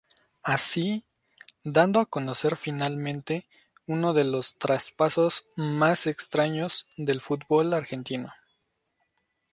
Así, dando a conocer finalmente, uno de los traspasos más extraños del fútbol argentino.